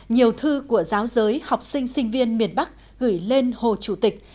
nhiều thư của giáo giới học sinh sinh viên miền bắc gửi lên hồ chủ tịch